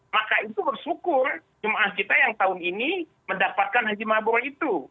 maka itu bersyukur jemaah kita yang tahun ini mendapatkan haji mabra itu